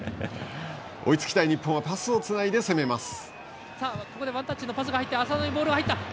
追いつきたい日本はパスをつないで攻めます。